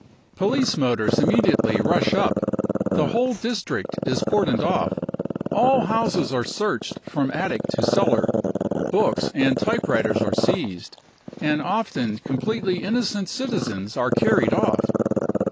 Police motors imme diately rush up, the whole district is cordoned off, all houses are searched ffom attic to cellar, books and type writers are seized, and often completely innocent citizens are carried off.